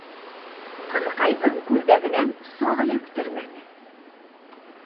Ҡыҙыҡайҙың күлдәгенән саҡ эләктермәне.